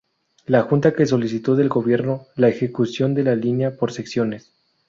La Junta que solicitó del Gobierno la ejecución de la línea por secciones.